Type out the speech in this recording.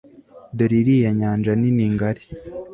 Dore iriya nyanja nini ngari